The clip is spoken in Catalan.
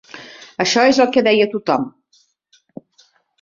Això és el que deia tothom